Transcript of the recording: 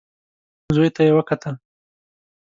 زوی ته يې وکتل.